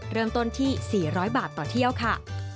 เริ่มต้นที่๔๐๐บาทต่อเที่ยวค่ะ